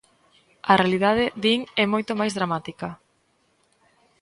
A realidade, din, é moito máis dramática.